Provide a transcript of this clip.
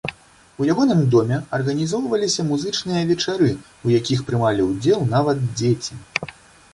У ягоным доме арганізоўваліся музычныя вечары, у якіх прымалі ўдзел нават дзеці.